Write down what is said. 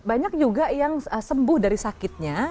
banyak juga yang sembuh dari sakitnya